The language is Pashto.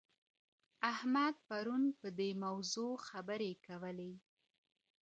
احمد پرون په دې موضوع خبرې کولې.